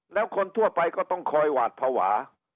แล้วคนทั่วไปก็ต้องคอยหวาดภาวะ